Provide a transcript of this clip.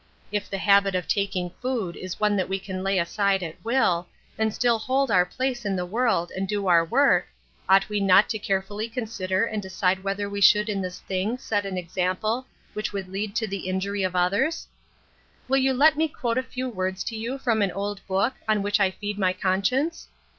If the habit of taking food is one that we can lay aside at will, and still hold our place in the world and do our work, ought we not to carefully con sider and decide whether we should in this thing set an example which would lead to the injury of THE OLD QUESTION. 105 others ? Will you let me quote a few words to you from an old book on which I feed my conscience